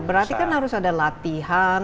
berarti kan harus ada latihan